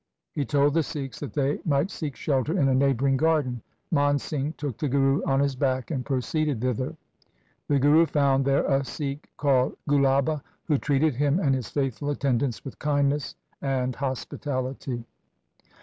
He told the Sikhs that they might seek shelter in a neighbouring garden. Man Singh took the Guru on his back and proceeded thither. The Guru found there a Sikh called Gulaba, who treated him and his faithful attendants with kindness and hospitality.